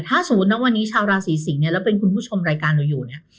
ถ้าสมมุตินะวันนี้ชาวราศีสิงศ์เนี่ยแล้วเป็นคุณผู้ชมรายการเราอยู่เนี่ย